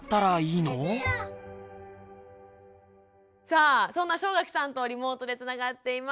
さあそんな正垣さんとリモートでつながっています。